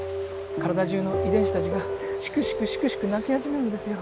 体じゅうの遺伝子たちがシクシクシクシク泣き始めるんですよ。